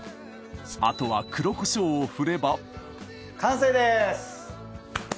あとは黒こしょうを振れば完成です！